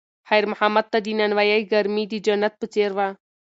خیر محمد ته د نانوایۍ ګرمي د جنت په څېر وه.